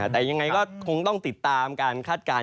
แต่ยังไงก็คงต้องติดตามการคาดการณ